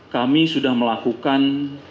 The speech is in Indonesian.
kami sudah melakukan